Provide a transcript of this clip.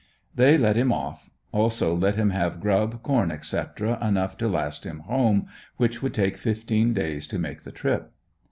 They let him off; also let him have grub, corn, etc. enough to last him home, which would take fifteen days to make the trip.